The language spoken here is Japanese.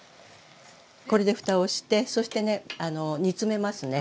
これでふたをしてそしてね煮詰めますね。